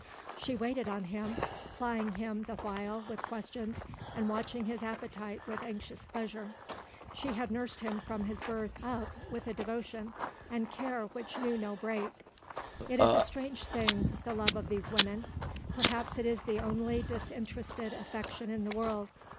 She waited on him, plying him the while with questions and watching his appetite with anxious pleasure. She had nursed him from his birth up with a devotion and care which knew no break. It is a strange thing, the love of these women. Perhaps it is the only disinterested affection in the world.